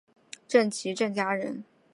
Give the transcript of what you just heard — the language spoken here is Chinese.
郑琦郑家人。